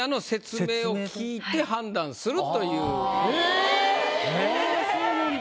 ああそうなんだ。